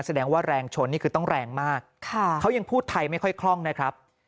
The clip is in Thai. แสดงว่าแรงชนนี่คือต้องแรงมากเขายังพูดไทยไม่ค่อยคล่องนะครับ